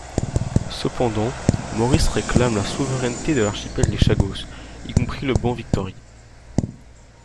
Cependant, Maurice réclame la souveraineté de l'archipel des Chagos, y compris le banc Victory.